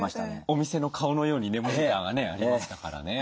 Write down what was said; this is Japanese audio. お店の顔のようにねモニターがねありましたからね。